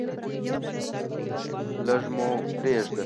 لږ مو پریږده.